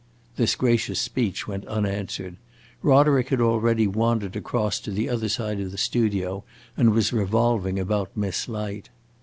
This gracious speech went unanswered; Roderick had already wandered across to the other side of the studio and was revolving about Miss Light.